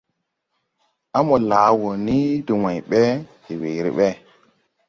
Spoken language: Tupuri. Á mo laa wɔ ni de wãy ɓe, de weere ɓe,